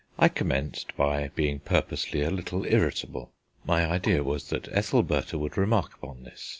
I commenced by being purposely a little irritable. My idea was that Ethelbertha would remark upon this.